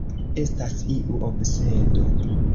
Estas iu obsedo.